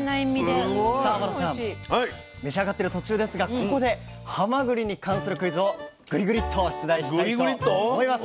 すごい。さあ天野さん召し上がってる途中ですがここではまぐりに関するクイズをグリグリッと出題したいと思います。